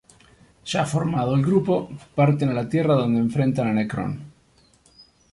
Ya formado el grupo, parten a la tierra donde enfrentan a Nekron.